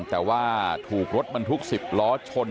แต่ว่าถูกรถมันทุกสิบล้อชน